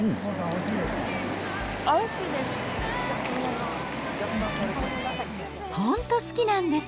おいしいです。